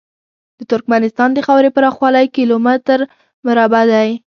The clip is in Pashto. د ترکمنستان د خاورې پراخوالی کیلو متره مربع دی.